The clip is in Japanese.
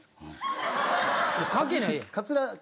関係ないやん。